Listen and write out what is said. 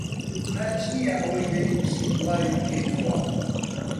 مەرج نییە ئەوەی دەینووسیت بڵاوی بکەیتەوە